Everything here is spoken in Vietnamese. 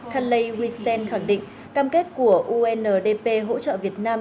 khanh lê huy sen khẳng định cam kết của undp hỗ trợ việt nam